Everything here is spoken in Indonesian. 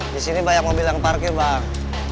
di sini banyak mobil yang parkir bang